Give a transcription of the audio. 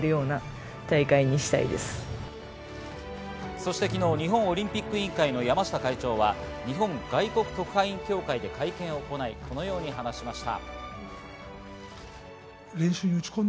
そして昨日、日本オリンピック委員会の山下会長は日本外国特派員協会で会見を行い、このように話しました。